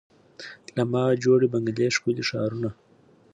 له ما جوړي بنګلې ښکلي ښارونه